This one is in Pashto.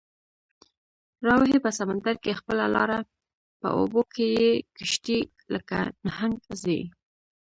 راوهي په سمندر کې خپله لاره، په اوبو کې یې کشتۍ لکه نهنګ ځي